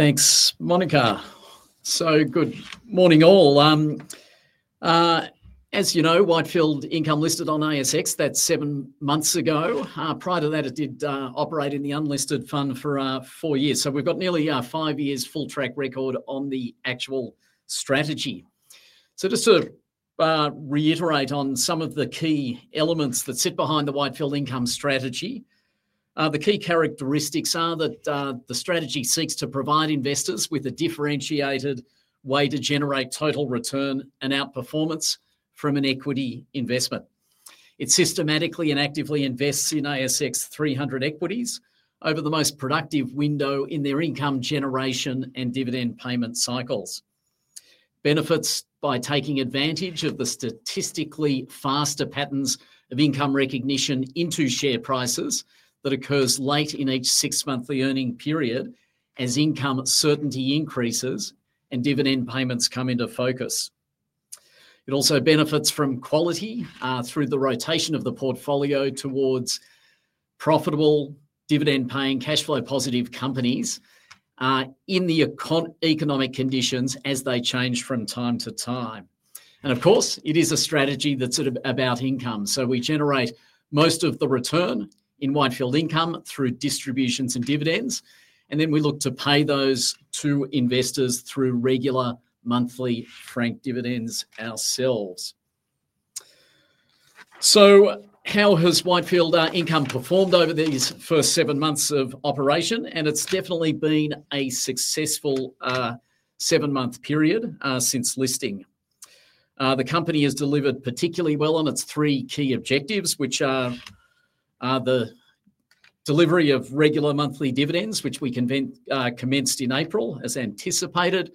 Thanks, Monica. Good morning all. As you know, Whitefield Income listed on ASX seven months ago. Prior to that, it did operate in the unlisted fund for four years. We've got nearly five years full track record on the actual strategy. Just to reiterate on some of the key elements that sit behind the Whitefield Industrials strategy, the key characteristics are that the strategy seeks to provide investors with a differentiated way to generate total return and outperformance from an equity investment. It systematically and actively invests in ASX 300 equities over the most productive window in their income generation and dividend payment cycles. It benefits by taking advantage of the statistically faster patterns of income recognition into share prices that occur late in each six-monthly earning period as income certainty increases and dividend payments come into focus. It also benefits from quality through the rotation of the portfolio towards profitable, dividend-paying, cash-flow-positive companies in the economic conditions as they change from time to time. Of course, it is a strategy that's about income. We generate most of the return in Whitefield Industrials through distributions and dividends, and then we look to pay those to investors through regular monthly franked dividends ourselves. How has Whitefield Industrials performed over these first seven months of operation? It's definitely been a successful seven-month period since listing. The company has delivered particularly well on its three key objectives, which are the delivery of regular monthly dividends, which we commenced in April as anticipated.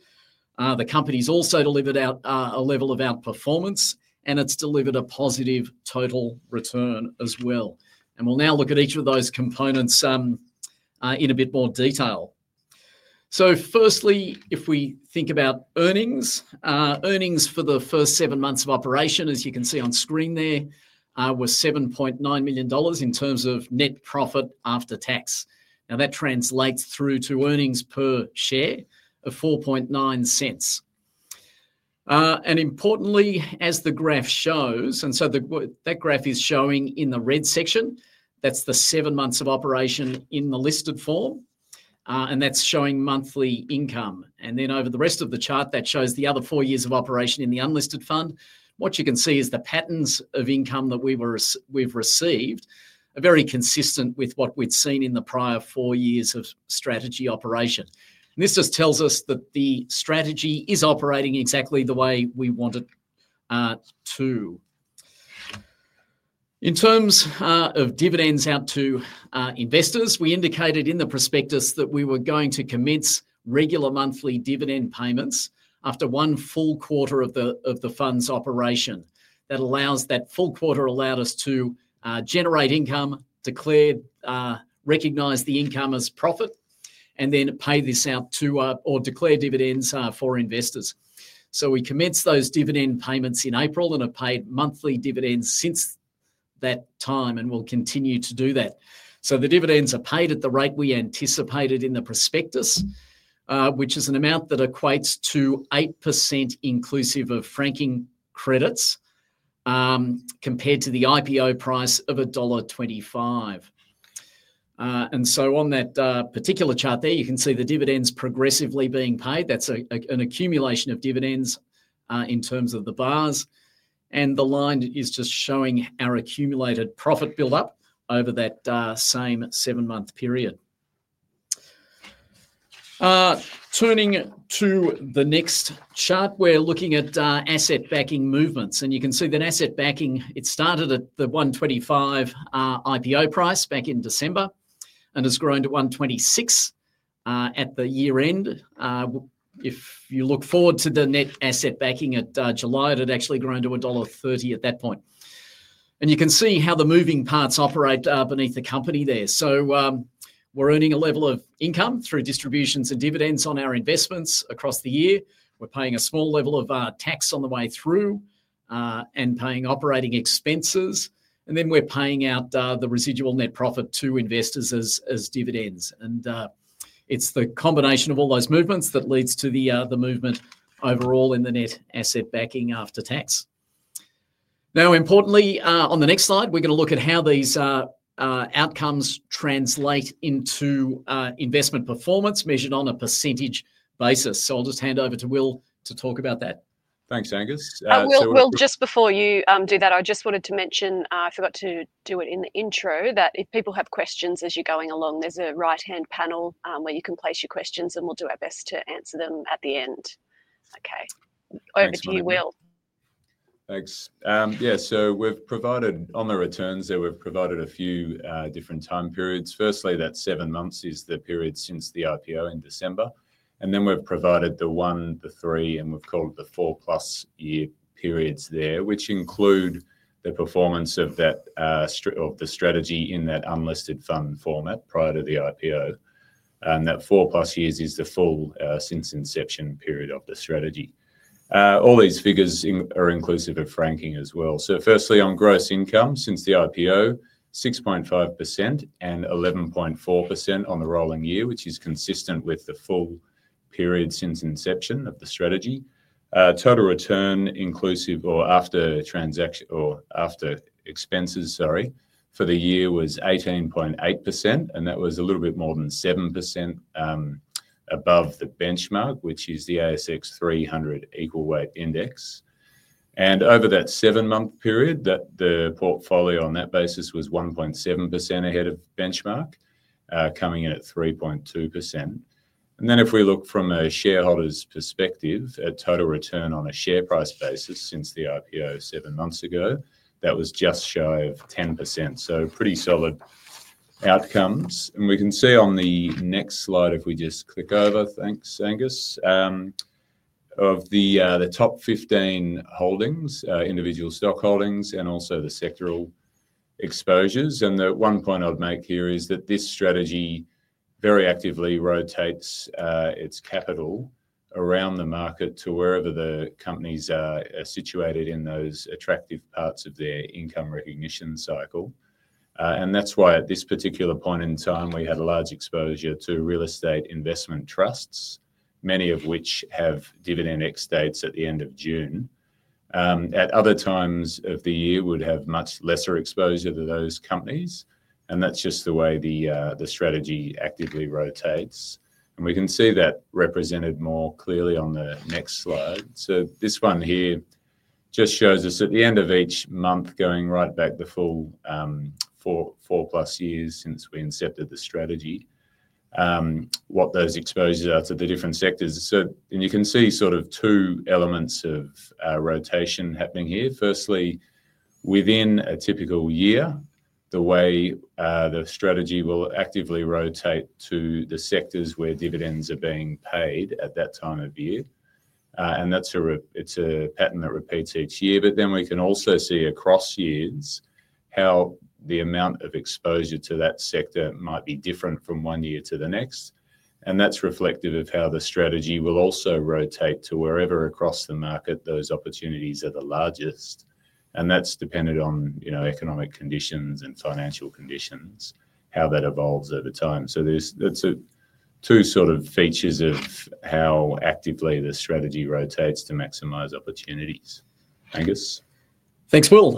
The company's also delivered a level of outperformance, and it's delivered a positive total return as well. We'll now look at each of those components in a bit more detail. Firstly, if we think about earnings, earnings for the first seven months of operation, as you can see on screen there, were $7.9 million in terms of net profit after tax. That translates through to earnings per share of $4.9. Importantly, as the graph shows, and that graph is showing in the red section, that's the seven months of operation in the listed form, and that's showing monthly income. Over the rest of the chart, that shows the other four years of operation in the unlisted fund. What you can see is the patterns of income that we've received are very consistent with what we'd seen in the prior four years of strategy operation. This just tells us that the strategy is operating exactly the way we want it to. In terms of dividends out to investors, we indicated in the prospectus that we were going to commence regular monthly dividend payments after one full quarter of the fund's operation. That full quarter allowed us to generate income, declare, recognize the income as profit, and then pay this out to, or declare dividends for investors. We commenced those dividend payments in April and have paid monthly dividends since that time and will continue to do that. The dividends are paid at the rate we anticipated in the prospectus, which is an amount that equates to 8% inclusive of franking credits compared to the IPO price of $1.25. On that particular chart there, you can see the dividends progressively being paid. That's an accumulation of dividends in terms of the bars, and the line is just showing our accumulated profit buildup over that same seven-month period. Turning to the next chart, we're looking at asset backing movements, and you can see that asset backing started at the $1.25 IPO price back in December and has grown to $1.26 at the year-end. If you look forward to the net asset backing at July, it had actually grown to $1.30 at that point. You can see how the moving parts operate beneath the company there. We're earning a level of income through distributions and dividends on our investments across the year. We're paying a small level of tax on the way through and paying operating expenses, and then we're paying out the residual net profit to investors as dividends. It's the combination of all those movements that leads to the movement overall in the net asset backing after tax. Now, importantly, on the next slide, we're going to look at how these outcomes translate into investment performance measured on a percentage basis. I'll just hand over to Will to talk about that. Thanks, Angus. Will, just before you do that, I just wanted to mention, I forgot to do it in the intro, that if people have questions as you're going along, there's a right-hand panel where you can place your questions, and we'll do our best to answer them at the end. Okay. Over to you, Will. Thanks. Yeah, so we've provided, on the returns there, we've provided a few different time periods. Firstly, that seven months is the period since the IPO in December, and then we've provided the one, the three, and we've called the 4+ year periods there, which include the performance of that, of the strategy in that unlisted fund format prior to the IPO. That 4+ years is the full since inception period of the strategy. All these figures are inclusive of franking as well. Firstly, on gross income since the IPO, 6.5% and 11.4% on the rolling year, which is consistent with the full period since inception of the strategy. Total return inclusive or after expenses, sorry, for the year was 18.8%, and that was a little bit more than 7% above the benchmark, which is the ASX 300 Equal Weight Index. Over that seven-month period, the portfolio on that basis was 1.7% ahead of benchmark, coming in at 3.2%. If we look from a shareholder's perspective, a total return on a share price basis since the IPO seven months ago, that was just shy of 10%. Pretty solid outcomes. We can see on the next slide, if we just click over, thanks, Angus, of the top 15 holdings, individual stock holdings, and also the sectoral exposures. The one point I'd make here is that this strategy very actively rotates its capital around the market to wherever the companies are situated in those attractive parts of their income recognition cycle. That's why at this particular point in time, we had a large exposure to real estate investment trusts, many of which have dividend ex-dates at the end of June. At other times of the year, we'd have much lesser exposure to those companies, and that's just the way the strategy actively rotates. We can see that represented more clearly on the next slide. This one here just shows us at the end of each month, going right back the full four plus years since we incepted the strategy, what those exposures are to the different sectors. You can see sort of two elements of rotation happening here. Firstly, within a typical year, the way the strategy will actively rotate to the sectors where dividends are being paid at that time of year. That's a pattern that repeats each year. We can also see across years how the amount of exposure to that sector might be different from one year to the next. That's reflective of how the strategy will also rotate to wherever across the market those opportunities are the largest. That's dependent on economic conditions and financial conditions, how that evolves over time. There are two sort of features of how actively the strategy rotates to maximize opportunities. Angus? Thanks, Will.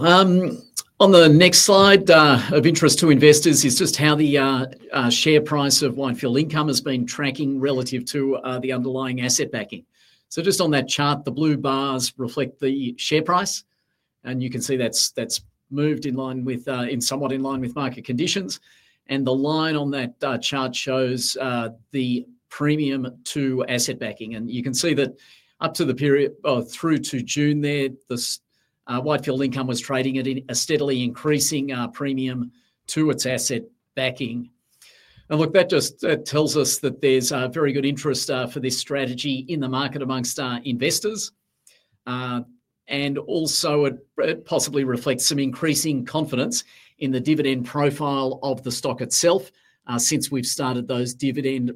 On the next slide, of interest to investors is just how the share price of Whitefield Income has been tracking relative to the underlying asset backing. Just on that chart, the blue bars reflect the share price, and you can see that's moved in somewhat in line with market conditions. The line on that chart shows the premium to asset backing. You can see that up to the period, or through to June there, Whitefield Income was trading at a steadily increasing premium to its asset backing. That just tells us that there's very good interest for this strategy in the market amongst investors. It possibly reflects some increasing confidence in the dividend profile of the stock itself since we've started those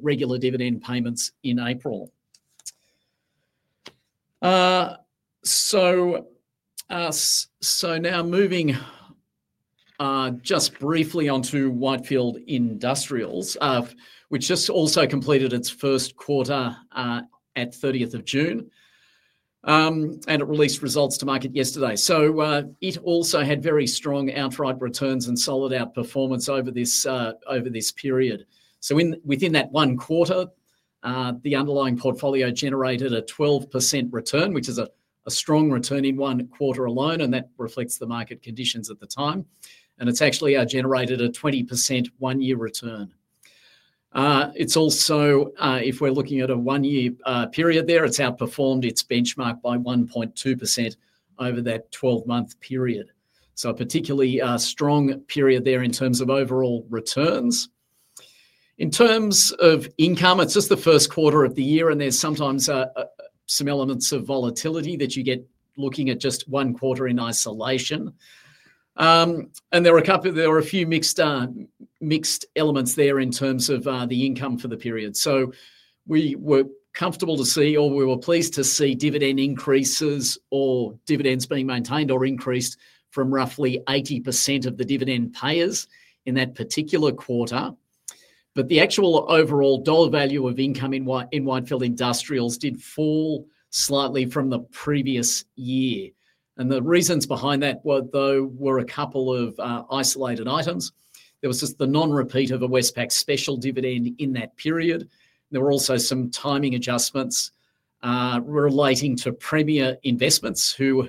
regular dividend payments in April. Now moving just briefly onto Whitefield Industrials, which just also completed its first quarter at 30th of June, and it released results to market yesterday. It also had very strong outright returns and solid outperformance over this period. Within that one quarter, the underlying portfolio generated a 12% return, which is a strong return in one quarter alone, and that reflects the market conditions at the time. It's actually generated a 20% one-year return. If we're looking at a one-year period there, it's outperformed its benchmark by 1.2% over that 12-month period. A particularly strong period there in terms of overall returns. In terms of income, it's just the first quarter of the year, and there's sometimes some elements of volatility that you get looking at just one quarter in isolation. There are a few mixed elements there in terms of the income for the period. We were comfortable to see, or we were pleased to see, dividend increases or dividends being maintained or increased from roughly 80% of the dividend payers in that particular quarter. The actual overall dollar value of income in Whitefield Industrials did fall slightly from the previous year. The reasons behind that, though, were a couple of isolated items. There was just the non-repeat of a Westpac special dividend in that period. There were also some timing adjustments relating to Premier Investments, who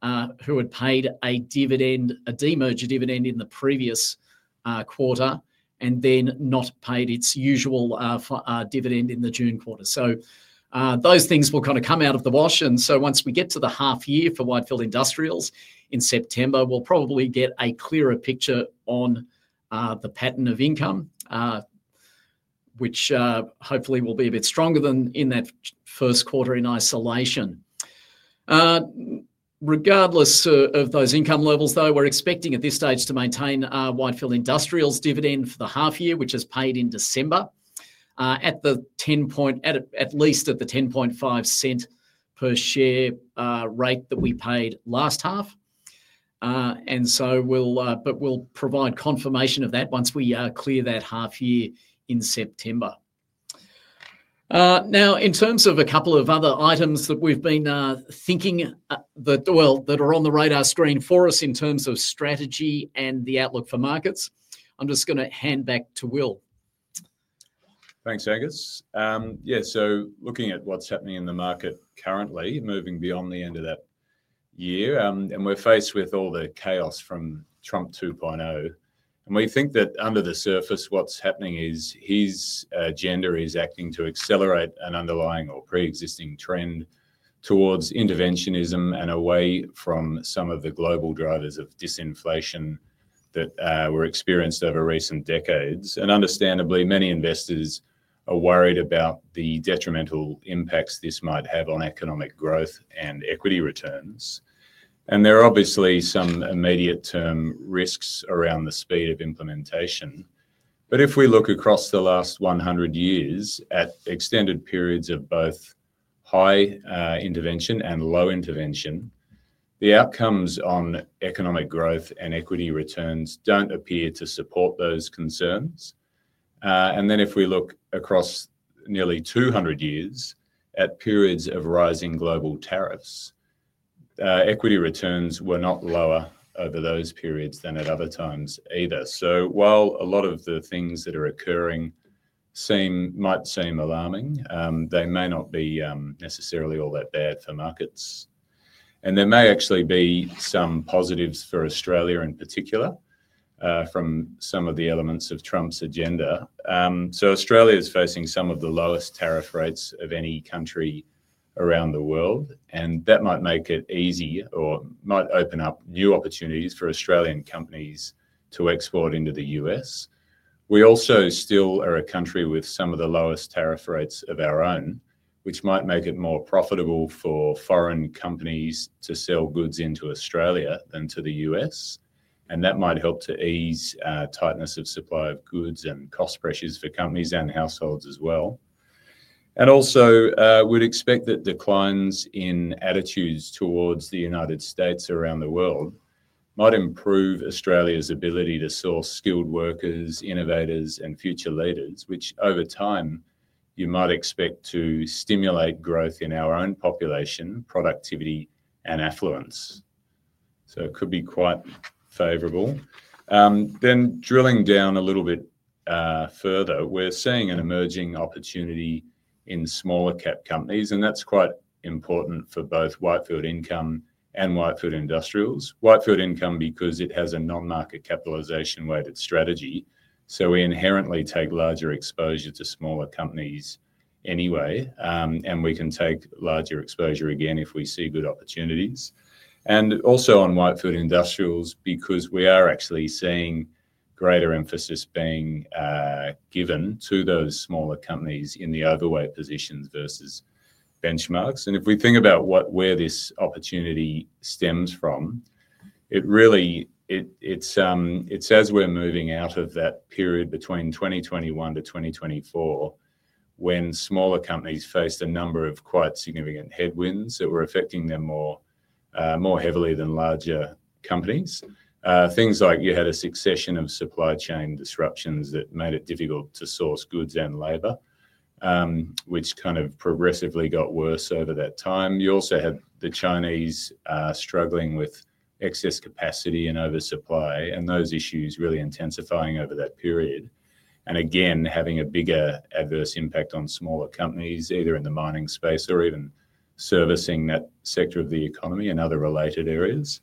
had paid a dividend, a demerge dividend in the previous quarter, and then not paid its usual dividend in the June quarter. Those things will kind of come out of the wash. Once we get to the half year for Whitefield Industrials in September, we'll probably get a clearer picture on the pattern of income, which hopefully will be a bit stronger than in that first quarter in isolation. Regardless of those income levels, though, we're expecting at this stage to maintain Whitefield Industrials' dividend for the half year, which is paid in December, at least at the $10.5 per share rate that we paid last half. We'll provide confirmation of that once we clear that half year in September. In terms of a couple of other items that are on the radar screen for us in terms of strategy and the outlook for markets, I'm just going to hand back to Will. Thanks, Angus. Yeah, looking at what's happening in the market currently, moving beyond the end of that year, we're faced with all the chaos from Trump 2.0. We think that under the surface, what's happening is his agenda is acting to accelerate an underlying or pre-existing trend towards interventionism and away from some of the global drivers of disinflation that were experienced over recent decades. Understandably, many investors are worried about the detrimental impacts this might have on economic growth and equity returns. There are obviously some immediate-term risks around the speed of implementation. If we look across the last 100 years at extended periods of both high intervention and low intervention, the outcomes on economic growth and equity returns don't appear to support those concerns. If we look across nearly 200 years at periods of rising global tariffs, equity returns were not lower over those periods than at other times either. While a lot of the things that are occurring might seem alarming, they may not be necessarily all that bad for markets. There may actually be some positives for Australia in particular from some of the elements of Trump's agenda. Australia is facing some of the lowest tariff rates of any country around the world, and that might make it easier or might open up new opportunities for Australian companies to export into the U.S. We also still are a country with some of the lowest tariff rates of our own, which might make it more profitable for foreign companies to sell goods into Australia than to the U.S. That might help to ease tightness of supply of goods and cost pressures for companies and households as well. We'd expect that declines in attitudes towards the United States around the world might improve Australia's ability to source skilled workers, innovators, and future leaders, which over time you might expect to stimulate growth in our own population, productivity, and affluence. It could be quite favorable. Drilling down a little bit further, we're seeing an emerging opportunity in small-cap equities, and that's quite important for both Whitefield Income and Whitefield Industrials. Whitefield Income, because it has a non-market capitalization-weighted strategy, inherently takes larger exposure to smaller companies anyway, and we can take larger exposure again if we see good opportunities. Also on Whitefield Industrials, we are actually seeing greater emphasis being given to those smaller companies in the overweight positions versus benchmarks. If we think about where this opportunity stems from, it really is as we're moving out of that period between 2021-2024, when smaller companies faced a number of quite significant headwinds that were affecting them more heavily than larger companies. Things like a succession of supply chain disruptions made it difficult to source goods and labor, which progressively got worse over that time. You also had the Chinese struggling with excess capacity and oversupply, and those issues really intensifying over that period. Again, having a bigger adverse impact on smaller companies, either in the mining space or even servicing that sector of the economy and other related areas.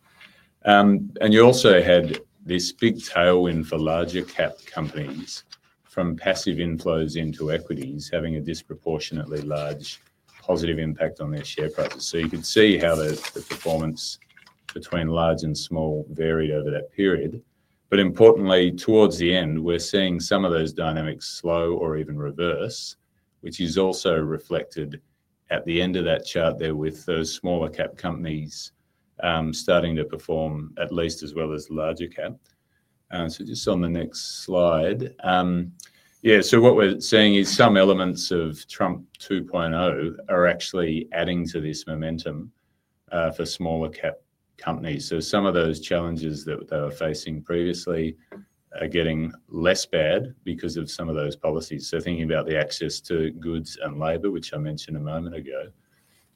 There was also this big tailwind for larger-cap companies from passive inflows into equities, having a disproportionately large positive impact on their share prices. You could see how the performance between large and small varied over that period. Importantly, towards the end, we're seeing some of those dynamics slow or even reverse, which is also reflected at the end of that chart there with those smaller-cap companies starting to perform at least as well as the larger-cap. On the next slide, what we're seeing is some elements of Trump 2.0 are actually adding to this momentum for smaller-cap companies. Some of those challenges that they were facing previously are getting less bad because of some of those policies. Thinking about the access to goods and labor, which I mentioned a moment ago,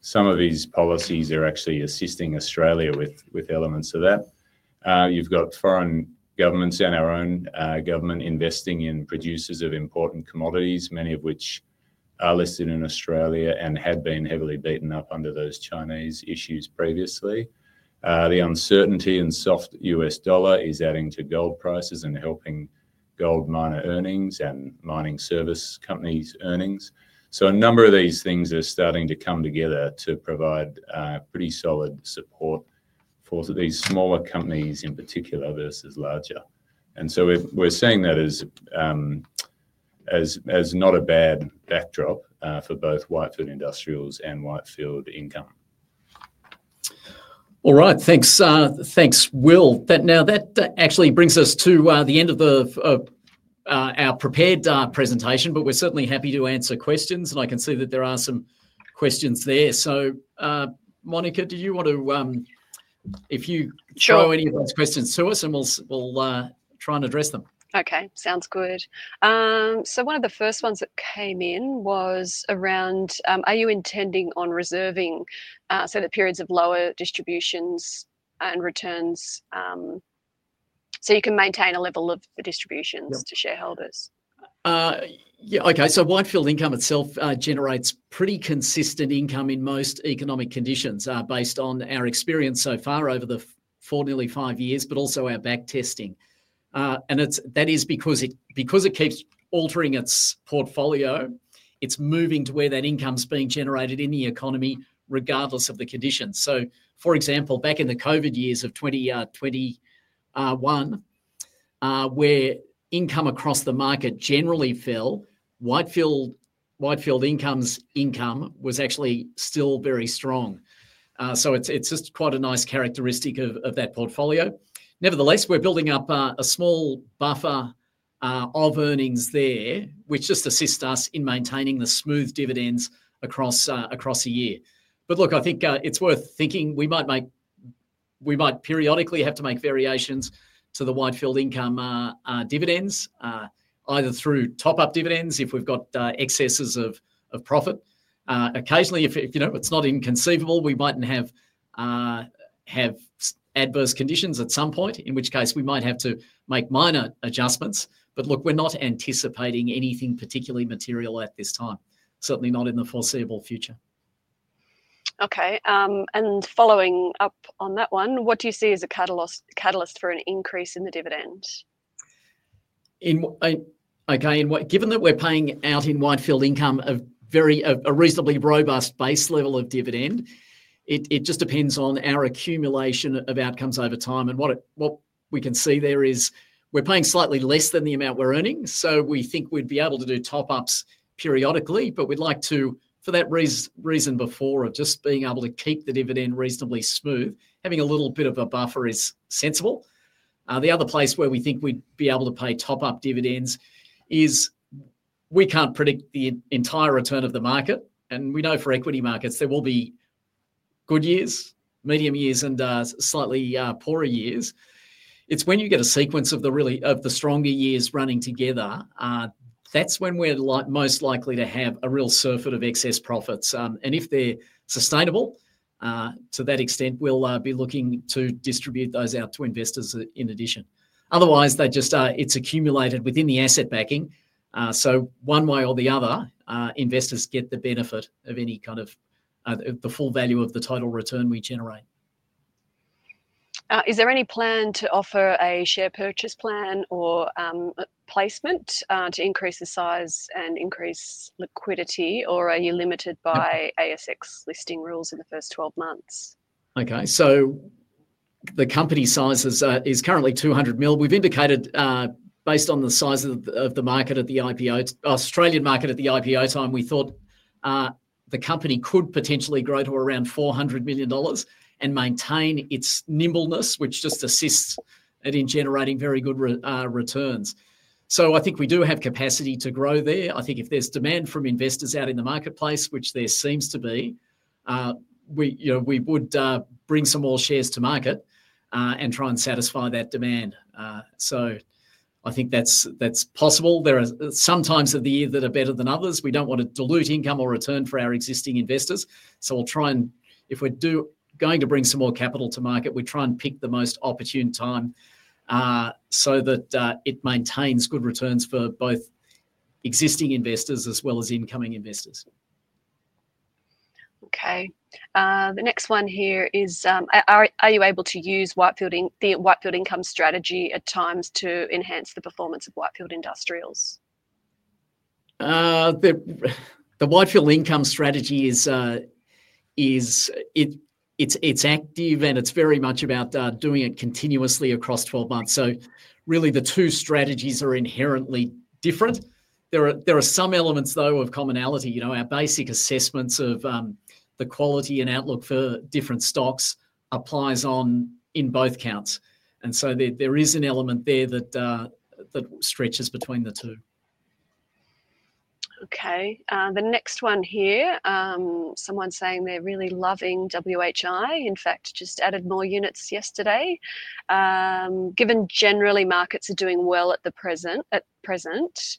some of these policies are actually assisting Australia with elements of that. You've got foreign governments and our own government investing in producers of important commodities, many of which are listed in Australia and had been heavily beaten up under those Chinese issues previously. The uncertainty in the soft U.S. dollar is adding to gold prices and helping gold miner earnings and mining service companies' earnings. A number of these things are starting to come together to provide pretty solid support for these smaller companies in particular versus larger. We're seeing that as not a bad backdrop for both Whitefield Industrials and Whitefield Income. All right, thanks, Will. That actually brings us to the end of our prepared presentation. We're certainly happy to answer questions, and I can see that there are some questions there. Monica, do you want to show any of those questions to us, and we'll try and address them? Okay, sounds good. One of the first ones that came in was around, are you intending on reserving so that periods of lower distributions and returns you can maintain a level of distributions to shareholders? Yeah, okay. Whitefield Income itself generates pretty consistent income in most economic conditions based on our experience so far over the nearly five years, but also our backtesting. That is because it keeps altering its portfolio. It's moving to where that income's being generated in the economy regardless of the conditions. For example, back in the COVID years of 2021, where income across the market generally fell, Whitefield Income's income was actually still very strong. It's just quite a nice characteristic of that portfolio. Nevertheless, we're building up a small buffer of earnings there, which just assists us in maintaining the smooth dividends across a year. I think it's worth thinking. We might periodically have to make variations to the Whitefield Income dividends, either through top-up dividends if we've got excesses of profit. Occasionally, if it's not inconceivable, we might have adverse conditions at some point, in which case we might have to make minor adjustments. We're not anticipating anything particularly material at this time, certainly not in the foreseeable future. Okay, following up on that one, what do you see as a catalyst for an increase in the dividends? Okay, given that we're paying out in Whitefield Income a very reasonably robust base level of dividend, it just depends on our accumulation of outcomes over time. What we can see there is we're paying slightly less than the amount we're earning. We think we'd be able to do top-ups periodically, but we'd like to, for that reason of just being able to keep the dividend reasonably smooth, having a little bit of a buffer is sensible. The other place where we think we'd be able to pay top-up dividends is we can't predict the entire return of the market. We know for equity markets, there will be good years, medium years, and slightly poorer years. It's when you get a sequence of the stronger years running together, that's when we're most likely to have a real surfeit of excess profits. If they're sustainable to that extent, we'll be looking to distribute those out to investors in addition. Otherwise, it's accumulated within the asset backing. One way or the other, investors get the benefit of any kind of the full value of the total return we generate. Is there any plan to offer a share purchase plan or placement to increase the size and increase liquidity, or are you limited by ASX listing rules in the first 12 months? Okay, so the company size is currently $200 million. We've indicated based on the size of the market at the IPO, Australian market at the IPO time, we thought the company could potentially grow to around $400 million and maintain its nimbleness, which just assists in generating very good returns. I think we do have capacity to grow there. I think if there's demand from investors out in the marketplace, which there seems to be, we would bring some more shares to market and try and satisfy that demand. I think that's possible. There are some times of the year that are better than others. We don't want to dilute income or return for our existing investors. We'll try and, if we're going to bring some more capital to market, we try and pick the most opportune time so that it maintains good returns for both existing investors as well as incoming investors. Okay, the next one here is, are you able to use the Whitefield Income strategy at times to enhance the performance of Whitefield Industrials? The Whitefield Income strategy is active and it's very much about doing it continuously across 12 months. The two strategies are inherently different. There are some elements, though, of commonality. Our basic assessments of the quality and outlook for different stocks apply in both accounts. There is an element there that stretches between the two. Okay, the next one here, someone's saying they're really loving WHI. In fact, just added more units yesterday. Given generally markets are doing well at the present,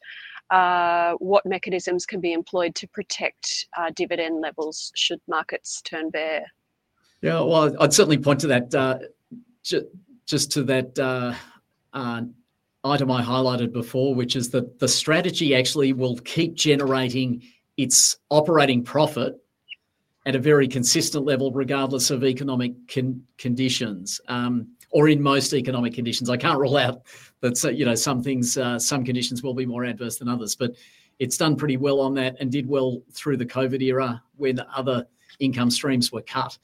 what mechanisms can be employed to protect dividend levels should markets turn bear? Yeah, I'd certainly point to that item I highlighted before, which is that the strategy actually will keep generating its operating profit at a very consistent level regardless of economic conditions, or in most economic conditions. I can't rule out that some conditions will be more adverse than others, but it's done pretty well on that and did well through the COVID era when the other income streams were cut.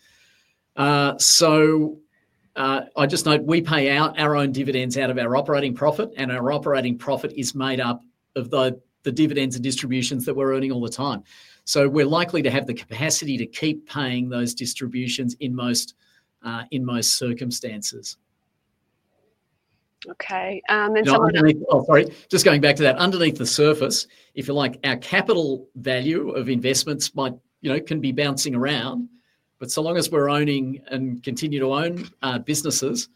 I just note we pay our own dividends out of our operating profit, and our operating profit is made up of the dividends and distributions that we're earning all the time. We're likely to have the capacity to keep paying those distributions in most circumstances. Okay. Sorry, just going back to that. Underneath the surface, if you like, our capital value of investments can be bouncing around, but so long as we're owning and continue to own businesses,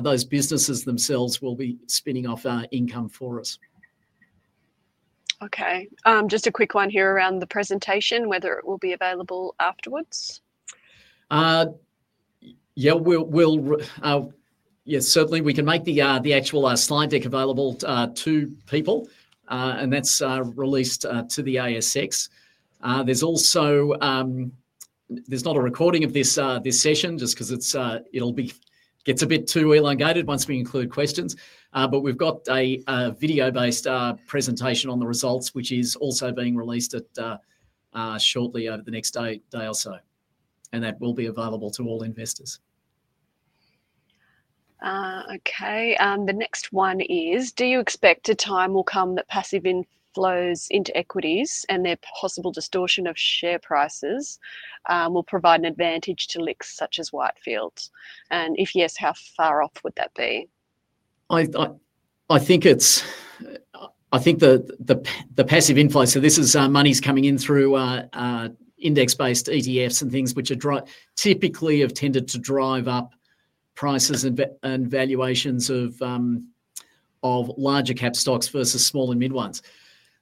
those businesses themselves will be spinning off our income for us. Okay, just a quick one here around the presentation, whether it will be available afterwards. Yeah, certainly we can make the actual slide deck available to people, and that's released to the ASX. There's also not a recording of this session just because it'll be, gets a bit too elongated once we include questions, but we've got a video-based presentation on the results, which is also being released shortly over the next day or so, and that will be available to all investors. Okay, the next one is, do you expect a time will come that passive inflows into equities and their possible distortion of share prices will provide an advantage to LICs such as Whitefield? If yes, how far off would that be? I think the passive inflow, so this is money coming in through index-based ETFs and things which typically have tended to drive up prices and valuations of larger cap stocks versus smaller mid ones.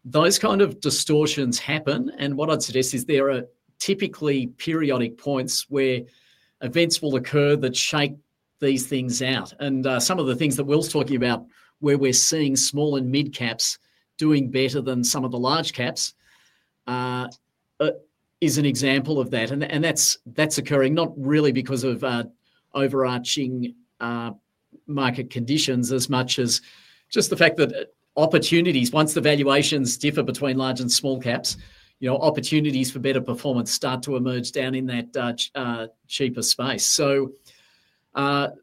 Those kinds of distortions happen, and what I'd suggest is there are typically periodic points where events will occur that shake these things out. Some of the things that Will's talking about, where we're seeing small and mid caps doing better than some of the large caps, is an example of that. That's occurring not really because of overarching market conditions as much as just the fact that opportunities, once the valuations differ between large and small caps, you know, opportunities for better performance start to emerge down in that cheaper space. That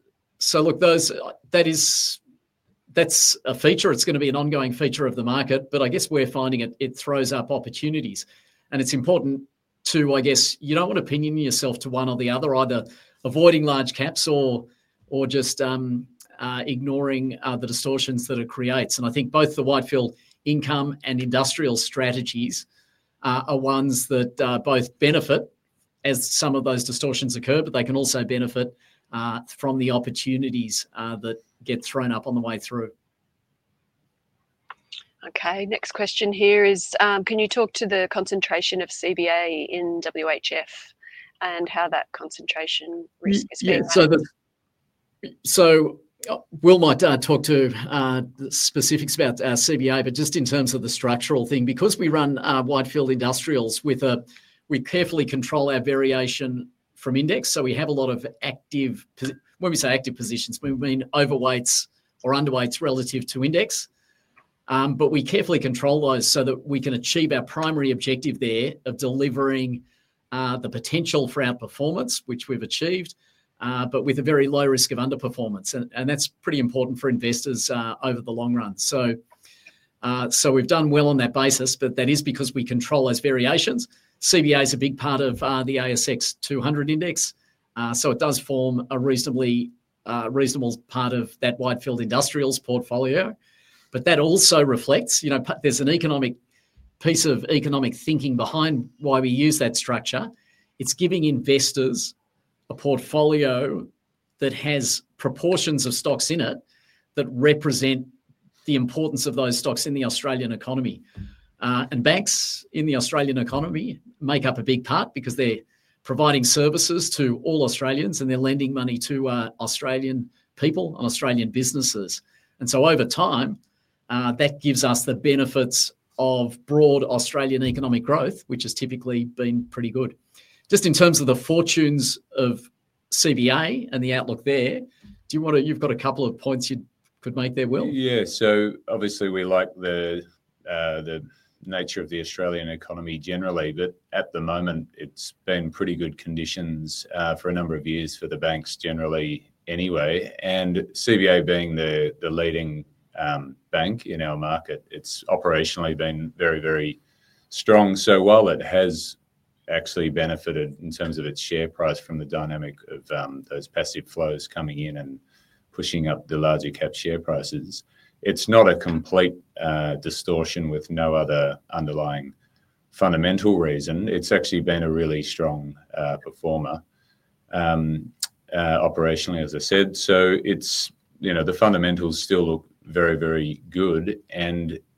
is a feature. It's going to be an ongoing feature of the market, but I guess we're finding it throws up opportunities. It's important to, I guess, you don't want to pinion yourself to one or the other, either avoiding large caps or just ignoring the distortions that it creates. I think both the Whitefield Income and Industrials strategies are ones that both benefit as some of those distortions occur, but they can also benefit from the opportunities that get thrown up on the way through. Okay, next question here is, can you talk to the concentration of CBA in WHF and how that concentration risk is being? Will might talk to specifics about CBA, but just in terms of the structural thing, because we run Whitefield Industrials, we carefully control our variation from index. We have a lot of active, when we say active positions, we mean overweights or underweights relative to index. We carefully control those so that we can achieve our primary objective there of delivering the potential for our performance, which we've achieved, with a very low risk of underperformance. That's pretty important for investors over the long run. We've done well on that basis, that is because we control those variations. CBA is a big part of the ASX 200 index. It does form a reasonable part of that Whitefield Industrials portfolio. That also reflects, there's an economic piece of economic thinking behind why we use that structure. It's giving investors a portfolio that has proportions of stocks in it that represent the importance of those stocks in the Australian economy. Banks in the Australian economy make up a big part because they're providing services to all Australians and they're lending money to Australian people and Australian businesses. Over time, that gives us the benefits of broad Australian economic growth, which has typically been pretty good. Just in terms of the fortunes of CBA and the outlook there, do you want to, you've got a couple of points you could make there, Will? Yeah, obviously we like the nature of the Australian economy generally, but at the moment, it's been pretty good conditions for a number of years for the banks generally anyway. CBA being the leading bank in our market, it's operationally been very, very strong as well. It has actually benefited in terms of its share price from the dynamic of those passive flows coming in and pushing up the larger cap share prices. It's not a complete distortion with no other underlying fundamental reason. It's actually been a really strong performer operationally, as I said. The fundamentals still look very, very good.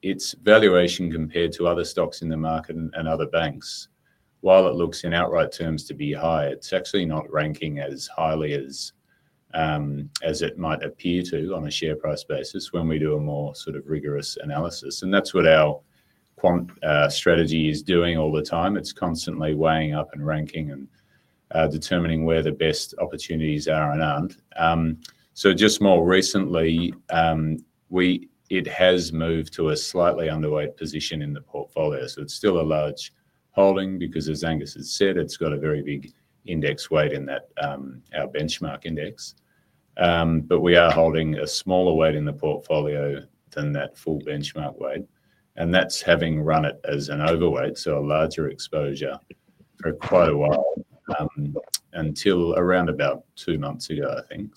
Its valuation compared to other stocks in the market and other banks, while it looks in outright terms to be high, is actually not ranking as highly as it might appear to on a share price basis when we do a more sort of rigorous analysis. That's what our strategy is doing all the time. It's constantly weighing up and ranking and determining where the best opportunities are and aren't. Just more recently, it has moved to a slightly underweight position in the portfolio. It's still a large holding because, as Angus has said, it's got a very big index weight in our benchmark index. We are holding a smaller weight in the portfolio than that full benchmark weight. That's having run it as an overweight, a larger exposure for quite a while until around about two months ago, I think.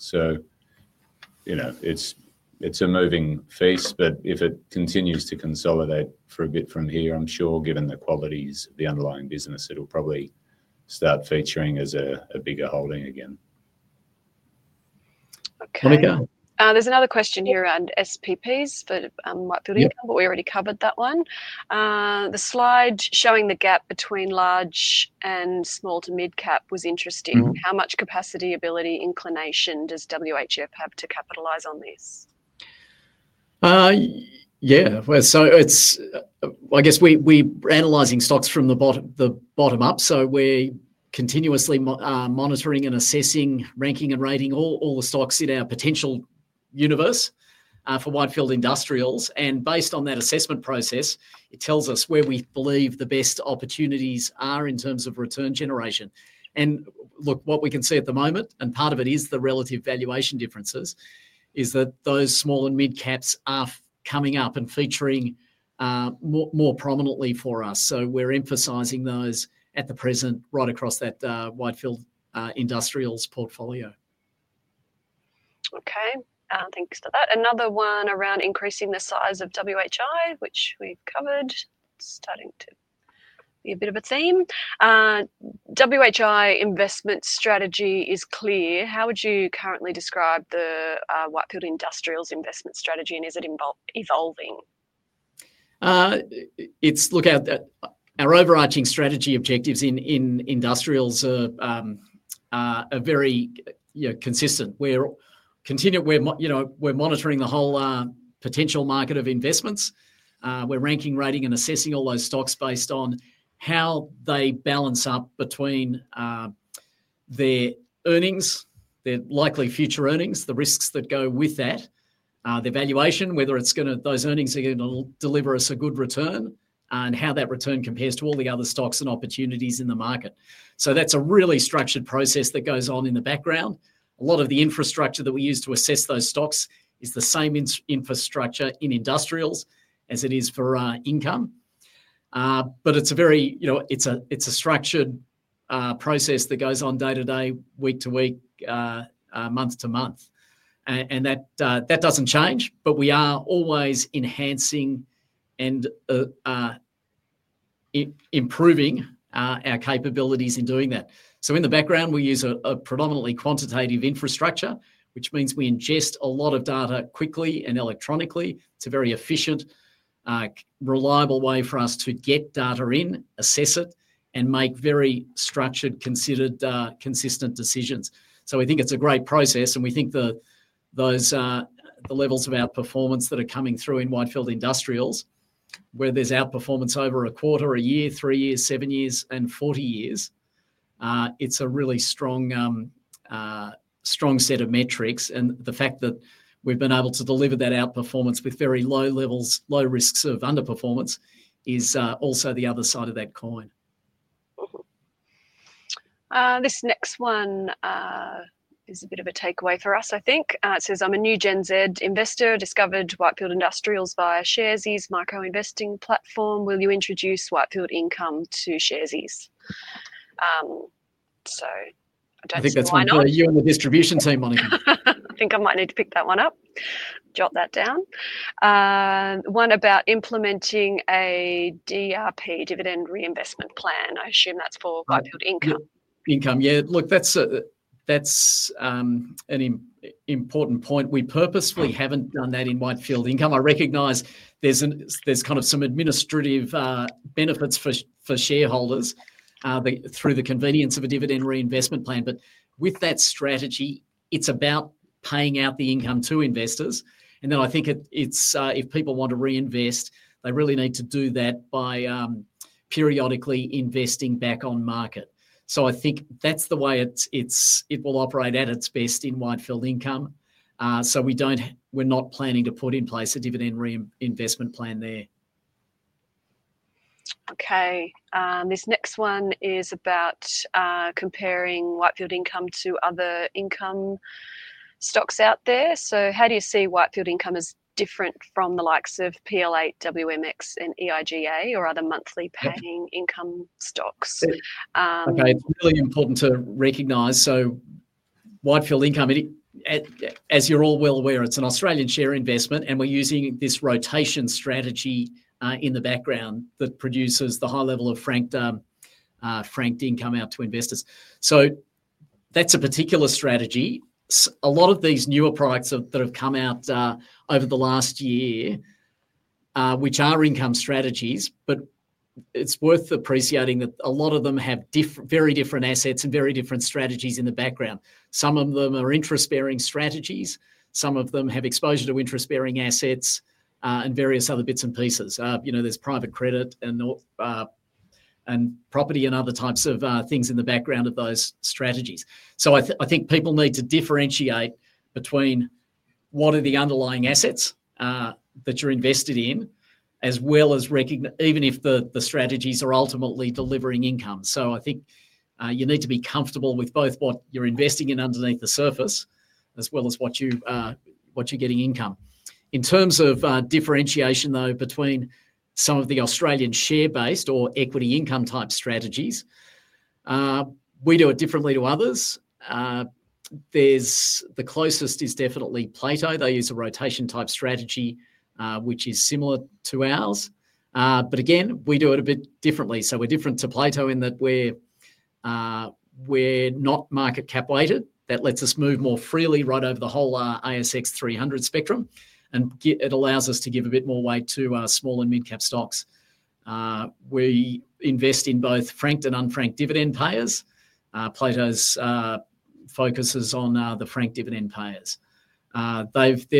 It's a moving feast, but if it continues to consolidate for a bit from here, I'm sure given the qualities of the underlying business, it'll probably start featuring as a bigger holding again. Okay, there's another question here around SPPs for Whitefield, but we already covered that one. The slide showing the gap between large and small to mid-cap was interesting. How much capacity, ability, inclination does WHF have to capitalize on this? Yeah, it's, I guess we're analyzing stocks from the bottom up. We're continuously monitoring and assessing, ranking and rating all the stocks in our potential universe for Whitefield Industrials. Based on that assessment process, it tells us where we believe the best opportunities are in terms of return generation. What we can see at the moment, and part of it is the relative valuation differences, is that those small and mid-caps are coming up and featuring more prominently for us. We're emphasizing those at the present right across that Whitefield Industrials portfolio. Okay, thanks for that. Another one around increasing the size of WHI, which we've covered, starting to be a bit of a theme. WHI investment strategy is clear. How would you currently describe the Whitefield Industrials investment strategy, and is it evolving? Our overarching strategy objectives in Industrials are very consistent. We're continuing, we're monitoring the whole potential market of investments. We're ranking, rating, and assessing all those stocks based on how they balance up between their earnings, their likely future earnings, the risks that go with that, the valuation, whether those earnings are going to deliver us a good return, and how that return compares to all the other stocks and opportunities in the market. That's a really structured process that goes on in the background. A lot of the infrastructure that we use to assess those stocks is the same infrastructure in Industrials as it is for Income. It's a structured process that goes on day to day, week to week, month to month. That doesn't change, but we are always enhancing and improving our capabilities in doing that. In the background, we use a predominantly quantitative infrastructure, which means we ingest a lot of data quickly and electronically. It's a very efficient, reliable way for us to get data in, assess it, and make very structured, considered, consistent decisions. We think it's a great process, and we think that those are the levels of outperformance that are coming through in Whitefield Industrials, where there's outperformance over a quarter, a year, three years, seven years, and 40 years. It's a really strong set of metrics, and the fact that we've been able to deliver that outperformance with very low levels, low risks of underperformance is also the other side of that coin. This next one is a bit of a takeaway for us, I think. It says, "I'm a new Gen Z investor, discovered Whitefield Industrials via Sharesies micro investing platform. Will you introduce Whitefield Income to Sharesies? I think that's one for you and the distribution team, Monica. I think I might need to pick that one up, jot that down. One about implementing a DRP, dividend reinvestment plan. I assume that's for Whitefield Industrials. Income, yeah. Look, that's an important point. We purposefully haven't done that in Whitefield. I recognize there's kind of some administrative benefits for shareholders through the convenience of a dividend reinvestment plan. With that strategy, it's about paying out the income to investors. If people want to reinvest, they really need to do that by periodically investing back on market. I think that's the way it will operate at its best in Whitefield Income. We don't, we're not planning to put in place a dividend reinvestment plan there. Okay, this next one is about comparing Whitefield Income to other income stocks out there. How do you see Whitefield Income as different from the likes of PL8, WMX, and EIGA, or other monthly paying income stocks? Okay, it's really important to recognize. Whitefield Industrials, as you're all well aware, it's an Australian share investment, and we're using this rotation strategy in the background that produces the high level of franked income out to investors. That's a particular strategy. A lot of these newer products that have come out over the last year, which are income strategies, but it's worth appreciating that a lot of them have very different assets and very different strategies in the background. Some of them are interest-bearing strategies. Some of them have exposure to interest-bearing assets and various other bits and pieces. There's private credit and property and other types of things in the background of those strategies. I think people need to differentiate between what are the underlying assets that you're invested in, as well as recognizing, even if the strategies are ultimately delivering income. I think you need to be comfortable with both what you're investing in underneath the surface, as well as what you're getting income. In terms of differentiation, though, between some of the Australian share-based or equity income type strategies, we do it differently to others. The closest is definitely Plato. They use a rotation type strategy, which is similar to ours. Again, we do it a bit differently. We're different to Plato in that we're not market cap weighted. That lets us move more freely right over the whole ASX 300 spectrum, and it allows us to give a bit more weight to our small and mid-cap stocks. We invest in both franked and unfranked dividend payers. Plato focuses on the franked dividend payers. Their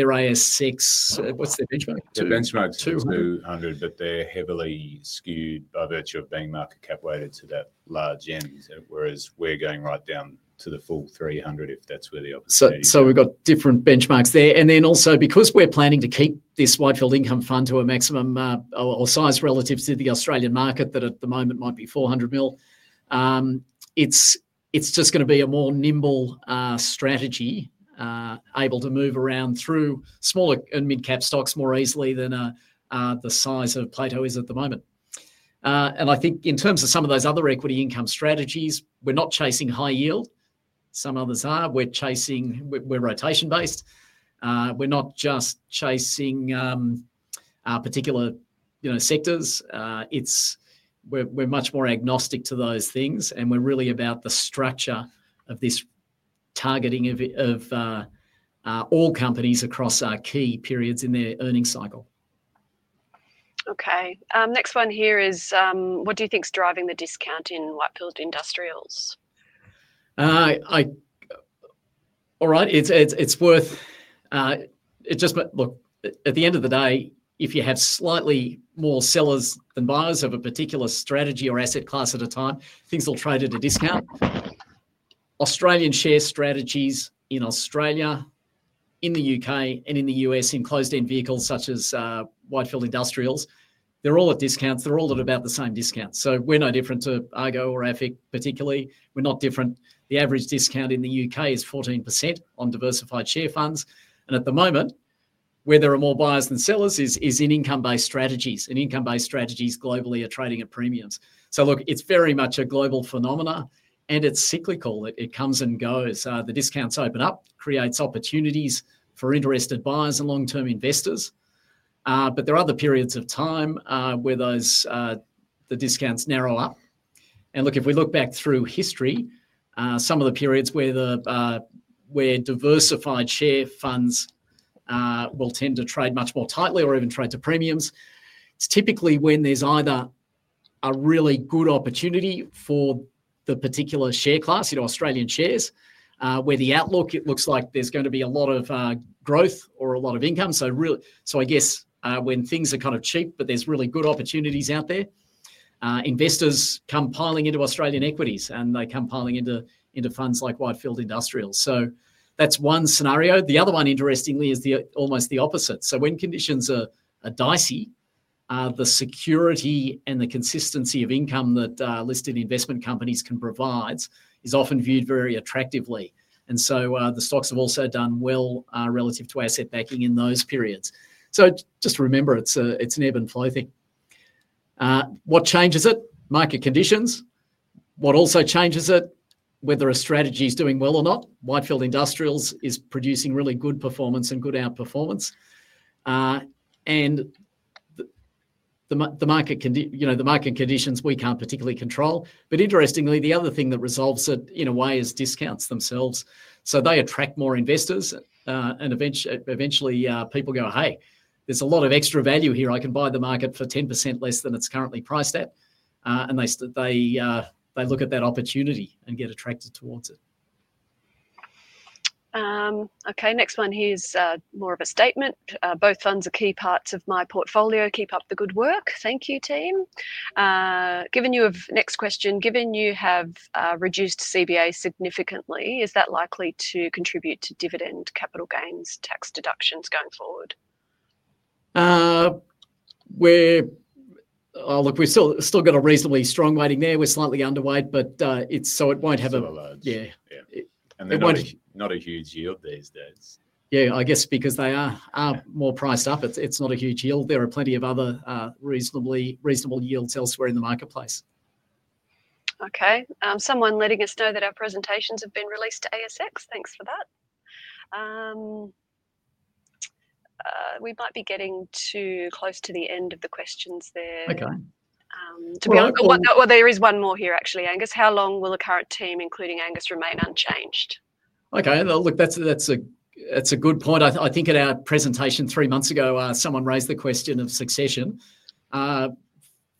ASX, what's their benchmark? Their benchmark's ASX 200, but they're heavily skewed by virtue of being market cap weighted to that large end, whereas we're going right down to the full ASX 300 if that's where the opposite is. We've got different benchmarks there. Also, because we're planning to keep this Whitefield Income fund to a maximum or size relative to the Australian market that at the moment might be $400 million, it's just going to be a more nimble strategy, able to move around through smaller and mid-cap stocks more easily than the size of Plato is at the moment. I think in terms of some of those other equity income strategies, we're not chasing high yield; some others are. We're chasing, we're rotation-based. We're not just chasing particular sectors. We're much more agnostic to those things, and we're really about the structure of this targeting of all companies across our key periods in their earning cycle. Okay, next one here is, what do you think is driving the discount in Whitefield Industrials? All right, it's worth, it's just, look, at the end of the day, if you have slightly more sellers than buyers of a particular strategy or asset class at a time, things will trade at a discount. Australian share strategies in Australia, in the U.K., and in the U.S. in closed-end vehicles such as Whitefield Industrials, they're all at discounts, they're all at about the same discount. We're no different to Argo or Epic particularly, we're not different. The average discount in the U.K. is 14% on diversified share funds. At the moment, where there are more buyers than sellers is in income-based strategies, and income-based strategies globally are trading at premiums. It's very much a global phenomenon, and it's cyclical, it comes and goes. The discounts open up, create opportunities for interested buyers and long-term investors, but there are other periods of time where those discounts narrow up. If we look back through history, some of the periods where diversified share funds will tend to trade much more tightly or even trade to premiums, it's typically when there's either a really good opportunity for the particular share class, you know, Australian shares, where the outlook looks like there's going to be a lot of growth or a lot of income. I guess when things are kind of cheap, but there's really good opportunities out there, investors come piling into Australian equities, and they come piling into funds like Whitefield Industrials. That's one scenario. The other one, interestingly, is almost the opposite. When conditions are dicey, the security and the consistency of income that listed investment companies can provide is often viewed very attractively. The stocks have also done well relative to asset backing in those periods. Just remember, it's an ebb and flow thing. What changes it? Market conditions. What also changes it? Whether a strategy is doing well or not. Whitefield Industrials is producing really good performance and good outperformance. The market conditions we can't particularly control. Interestingly, the other thing that resolves it in a way is discounts themselves. They attract more investors, and eventually people go, "Hey, there's a lot of extra value here. I can buy the market for 10% less than it's currently priced at." They look at that opportunity and get attracted towards it. Okay, next one here is more of a statement. Both funds are key parts of my portfolio. Keep up the good work. Thank you, team. Given you have, next question, given you have reduced CBA significantly, is that likely to contribute to dividend capital gains tax deductions going forward? We've still got a reasonably strong weighting there. We're slightly underweight, but it won't have a, yeah. They're not a huge yield these days. Yeah, I guess because they are more priced up, it's not a huge yield. There are plenty of other reasonable yields elsewhere in the marketplace. Okay, someone letting us know that our presentations have been released to ASX. Thanks for that. We might be getting too close to the end of the questions there. Okay. There is one more here, actually. Angus, how long will the current team, including Angus, remain unchanged? Okay, look, that's a good point. I think in our presentation three months ago, someone raised the question of succession.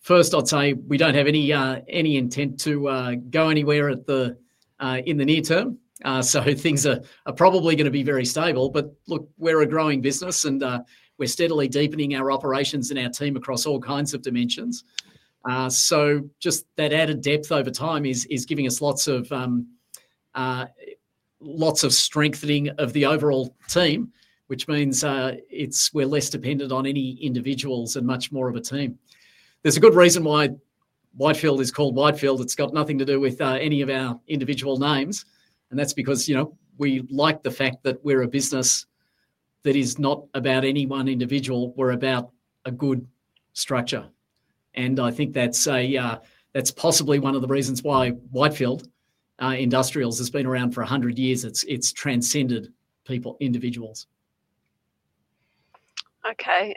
First, I'd say we don't have any intent to go anywhere in the near term. Things are probably going to be very stable. We're a growing business, and we're steadily deepening our operations and our team across all kinds of dimensions. Just that added depth over time is giving us lots of strengthening of the overall team, which means we're less dependent on any individuals and much more of a team. There's a good reason why Whitefield is called Whitefield. It's got nothing to do with any of our individual names. That's because, you know, we like the fact that we're a business that is not about any one individual. We're about a good structure. I think that's possibly one of the reasons why Whitefield Industrials has been around for 100 years. It's transcended people, individuals. Okay,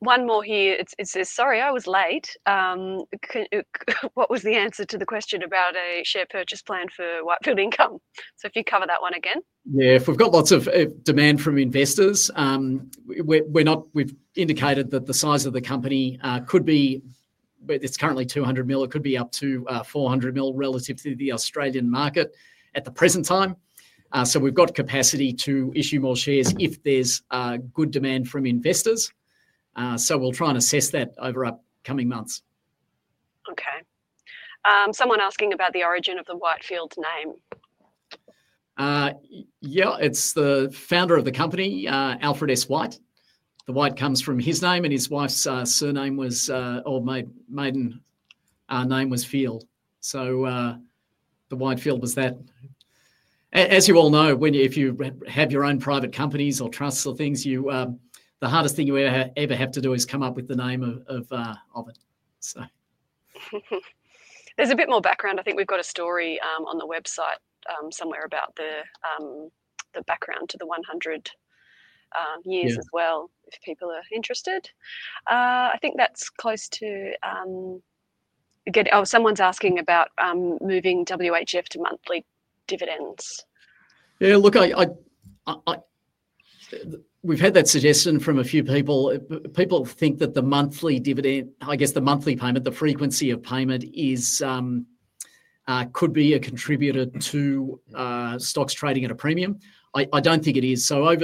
one more here. It says, "Sorry, I was late. What was the answer to the question about a share purchase plan for Whitefield Industrials?" If you cover that one again. Yeah, if we've got lots of demand from investors, we've indicated that the size of the company could be, where it's currently $200 million, it could be up to $400 million relative to the Australian market at the present time. We've got capacity to issue more shares if there's good demand from investors. We'll try and assess that over upcoming months. Okay, someone asking about the origin of the Whitefield name. Yeah, it's the founder of the company, Alfred S. White. The White comes from his name, and his wife's surname was, or maiden name was, Field. The Whitefield was that. As you all know, if you have your own private companies or trusts or things, the hardest thing you ever have to do is come up with the name of it. There's a bit more background. I think we've got a story on the website somewhere about the background to the 100 years as well, if people are interested. I think that's close to, someone's asking about moving WHF to monthly dividends. Yeah, look, we've had that suggestion from a few people. People think that the monthly dividend, I guess the monthly payment, the frequency of payment, could be a contributor to stocks trading at a premium. I don't think it is. Over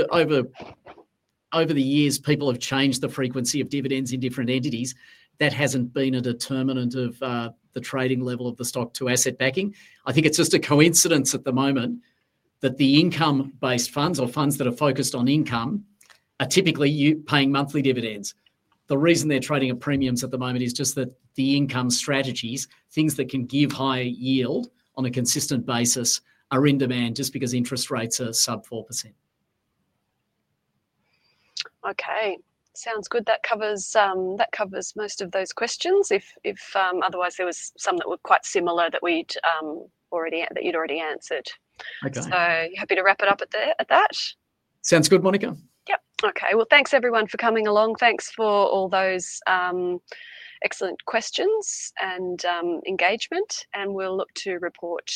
the years, people have changed the frequency of dividends in different entities. That hasn't been a determinant of the trading level of the stock to asset backing. I think it's just a coincidence at the moment that the income-based funds or funds that are focused on income are typically paying monthly dividends. The reason they're trading at premiums at the moment is just that the income strategies, things that can give high yield on a consistent basis, are in demand just because interest rates are sub 4%. Okay, sounds good. That covers most of those questions. Otherwise, there were some that were quite similar that you'd already answered. Okay. Happy to wrap it up at that. Sounds good, Monica. Okay, thanks everyone for coming along. Thanks for all those excellent questions and engagement. We'll look to report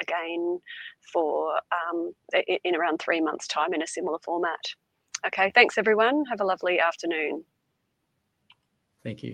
again in around three months' time in a similar format. Thanks everyone. Have a lovely afternoon. Thank you.